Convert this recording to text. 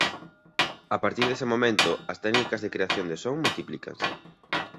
A partir dese momento as técnicas de creación de son multiplícanse.